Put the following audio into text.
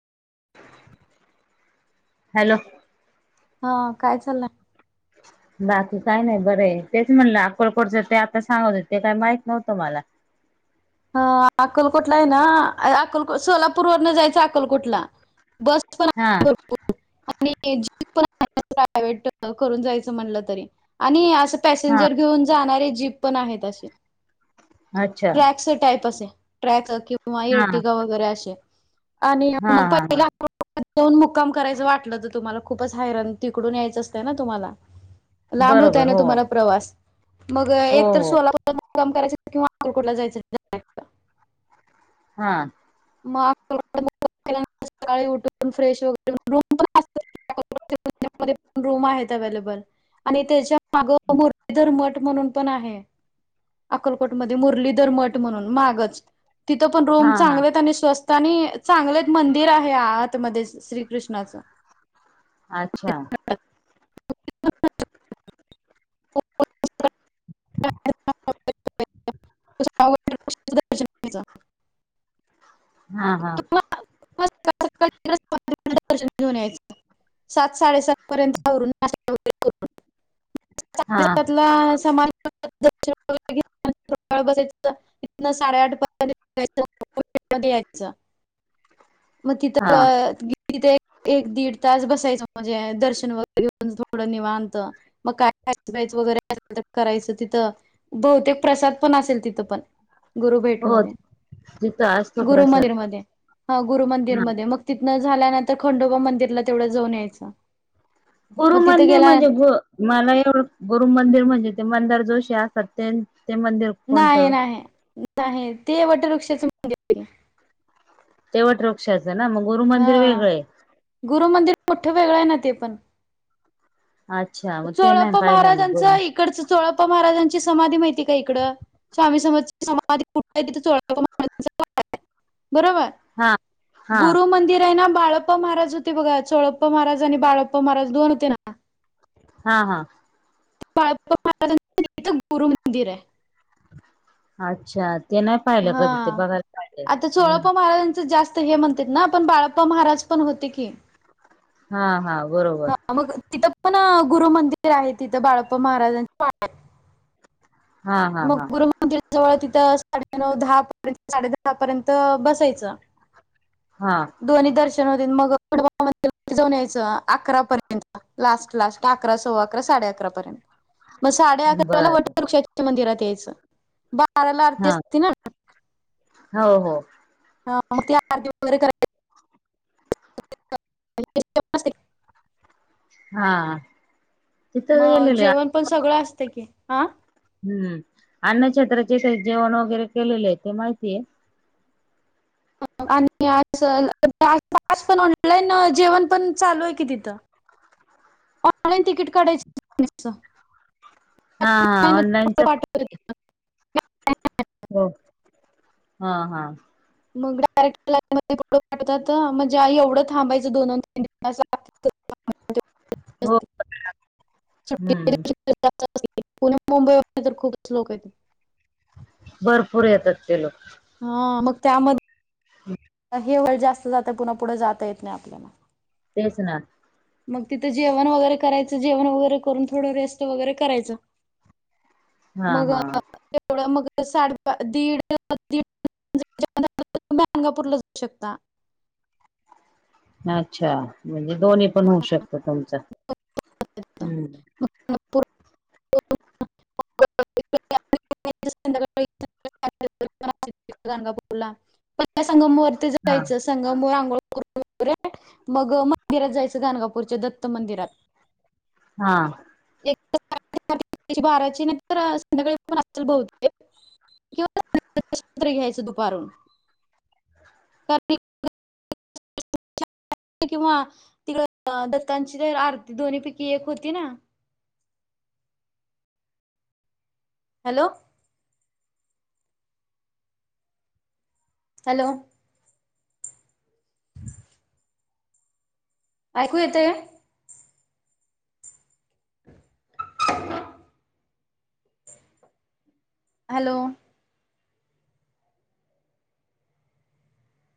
Hello. हा काय चाललंय? बाकी काही नाही बरं हाय तेच म्हणलं अक्कलकोटच ते आता सांगत ते काही माहित नव्हतं मला. ह अकलकोटला है ना अकल सोलापूर वरन जायचं अकलकोटला. बस पण हा. [unintelligible] प्रायव्हेट करून जायच म्हणलं तरी आणि अस. हा पॅसेंजर घेऊन जाणारे जीप पण आहेत असे. अच्छा. [unintelligible] ट्रॅक किंवा हा इरटीका वगैरे असे आणि हा म प हा हा दोन मुक्काम करायचं वाटलं तर तुम्हाला खूपच हैराण तिकडून यायचं असतं ना तुम्हाला. लांब होतय बरोबर ना हो तुम्हाला प्रवास मग हो एक तर हो सोलापूर [unintelligible] मुक्काम करायच किंवा अक्कलकोट जायचं. हा. [unintelligible] [unintelligible] रूम आहेत अवेलेबल. त्याच्या माग मुरलीधर मठ म्हणून पण आहे‌. अकलकोटमध्ये मुरलीधर मठ म्हणून मागच तिथं पण रूम हा हा चांगले‌ आहे आणि स्वस्त आणि चांगले एक मंदिर आहे आतमध्ये श्रीकृष्णाचं. अच्छा. [unintelligible] [unintelligible] हा हा. [unintelligible] घेऊन यायचं. सात साडेसात पर्यंतून आवरून [unintelligible] हा साडेसातला समान [unintelligible] बसायचं इथन साडेआठ [unintelligible] [unintelligible] यायचं. मग हा तिथअ [unintelligible] तिथे एक एक दीड तास बसायचं म्हणजे दर्शन वगैरे घेऊन थोडं निवांत. मग काय खायचं प्यायच वगैरे करायचं तिथं. बहुतेक प्रसाद पण असेल तिथं पण. गुरुभेट हो मध्ये तिथं असतो गुरु प्रसाद मंदिरमध्ये. हा गुरु हा मंदिरमध्ये मग तिथनं झाल्यानंतर खंडोबा मंदिरला तेवढं जाऊन यायचं‌. गुरु मंदिर म्हणजे ग मला एवढ गुरु मंदिर म्हणजे ते मंदार जोशी असतात ते ते मंदिर- नाही कोणतं नाही नाही ते वटवृक्षाच [unintelligible] ते वट वृक्षाचं ना मग गुरु मंदिर वेगळं हाय ‌. गुरुमंदिर मोठं वेगळं आहे ना तीथं. अच्छा. मग ते नाही चोळप्पा पाहिलं मी महाराजांच गुरु इकडंच, चोळप्पा महाराजांची समाधी माहिती का इकडं? स्वामी समर्थांची समाधी कुठं आहे, तिथ चोळप्पा महाराजांचा पण आहे. बरोबर? हा [unintelligible] हा गुरु मंदिर आहे ना, बाळ प्पा महाराज होते बघा. चोळप्पा महाराज आणि बाळप्पा महाराज दोन होते ना. हा हा. बाळाप्पा महाराजांच्या तिथं गुरु मंदिर आहे. [unintelligible] अच्छा. ते ना हा. आता चोळाप्पा महाराजांच जास्त आता हे म्हणतेत ना, पण बाळप्पा महाराज पण होते की. हा हा बरोबर. हां मग, तिथं पण गुरु मंदिर आहे. तिथं बाळप्पा महाराजांच्या पा हा हा मग हा गुरुमंदिरा जवळ तिथं साडेनऊ, दहा पर्यंत साडे दहा पर्यंत बसायचं. हा. दोन्ही दर्शन होते. मग [inaudible] मंदिरामध्ये जाऊन यायचं अकरा पर्यंत. लास्ट लास्ट अकरा, सव्वा अकरा, साडे अकरा पर्यंत. मग साडे अकराला बर वटवृक्षाच्या मंदिरात यायचं. बाराला आरती हा असती ना. [unintelligible] हो हो. हा मग ती आरती वगैरे करायची. करायची हा हा. मग जेवण पण सगळं असत की हा- हम्म. अन्नछत्राचे इथं जेवण वगैरे केलेले आहे, ते माहितीये. आणि आजच [inaudible] जेवण पण चालू आहे की तिथं. ऑनलाईन तिकीट काढायच [inaudible] हा. ऑनलाईन बघ. [unintelligible] हो. हा हा. मग डायरेक्टर लाईन मध्ये पाठवत्यात. म्हणजे आई एवढं थांबायचं दोन अन तीन हो हम्म [unintelligible] [unintelligible] पुणे मुंबईमधुन तर खूपच लोक येत. भरपूर येतात ते लोक- हा. मग त्यामध्ये हम्म. [unintelligible] हे वय जास्त जातंय, पुन्हा पूढ जाता येत नाही आपल्याला. तेचं ना. मग तिथं जेवण वगैरे करायचं. जेवण वगैरे करून थोडं रेस्ट वगैरे करायचं. हा मग हा तेवढं मग साडेबा दिड [inaudible] [inaudible] गाणगापूरला जाऊ शकता. अच्छा, म्हणजे दोन्ही पण होऊ शकतं तुमचं हम्म. [inaudible] [inaudible] [inaudible] संगमवरती हा जायचंस. संगमावर आंघोळ करतो रे, मग मंदिरात जायचं गाणगापूरच्या दत्त मंदिरात. [unintelligible] हा. [unintelligible] बाराची ना संध्याकाळी पण असतील बहूतेक किंवा दर्शन तरी घ्यायचं दुपारून. कधी [unintelligible] [unintelligible] किंवा तिकड दत्तांची तर आरती दोन्ही पैकी एक होती ना. हॅलो? हॅलो? ऐकू येतंय? [unintelligible] हॅलो?